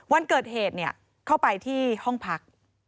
วันเกิดเหตุเข้าไปที่ห้องพัก